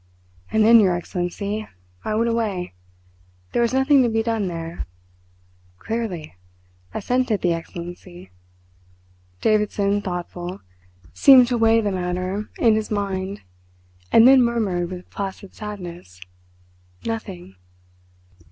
"And then, your Excellency, I went away. There was nothing to be done there." "Clearly!" assented the Excellency. Davidson, thoughtful, seemed to weigh the matter in his mind, and then murmured with placid sadness: "Nothing!"